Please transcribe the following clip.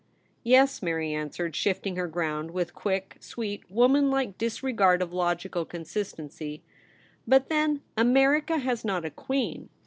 ' Yes,' Mary answered, shifting her ground with quick, sweet, woman like disregard of logical consistency ;' but then America has not a Queen.